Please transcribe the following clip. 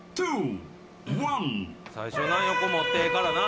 最初横持ってええからな。